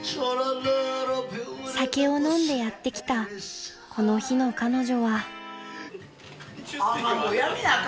［酒を飲んでやって来たこの日の彼女は］